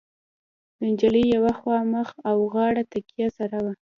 د نجلۍ يوه خوا مخ او غاړه تکه سره وه.